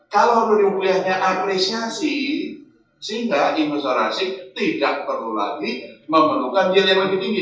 kalau rupiahnya apresiasi sehingga investor asing tidak perlu lagi membutuhkan yield yang lebih tinggi